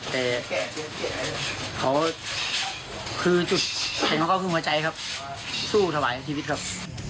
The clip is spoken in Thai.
แต่เค้าคือจุดเค้าก็คือหัวใจครับสู้ถวายชีวิตครับ